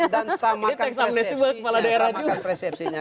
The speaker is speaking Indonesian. dan samakan persepsinya